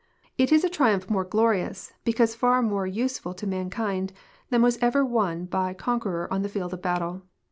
It is a triumph more glorious, because far more useful to mankind, than was ever won Ijy comiueror on the field of battle.